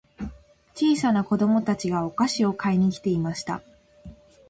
小さな子供たちがお菓子を買いに来ていました。